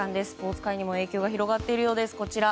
スポーツ界にも影響が広がっているようです。